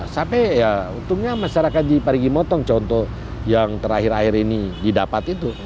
sampai ya untungnya masyarakat di parigi motong contoh yang terakhir akhir ini didapat itu